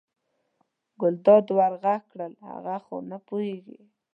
ګلداد ور غږ کړل هغه خو نه پوهېږي.